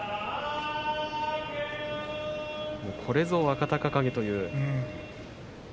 これぞ若隆景という。